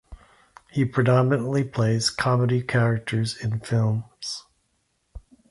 He predominantly plays comedy character in films.